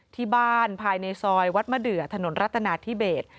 ที่บ้านภายในซอยวัดมเดือถนนรัตนาทิเบศ